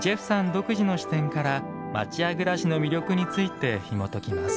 独自の視点から町家暮らしの魅力についてひもときます。